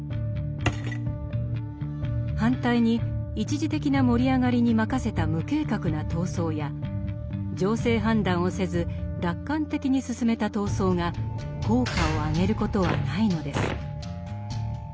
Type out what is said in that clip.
反対に一時的な盛り上がりに任せた無計画な闘争や情勢判断をせず楽観的に進めた闘争が効果を上げることはないのです。